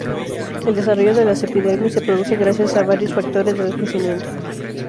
El desarrollo de la epidermis se produce gracias a varios factores de crecimiento.